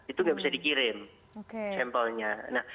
itu nggak bisa dikirim sampelnya